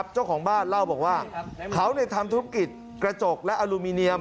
เจ้าของบ้านเล่าบอกว่าเขาทำธุรกิจกระจกและอลูมิเนียม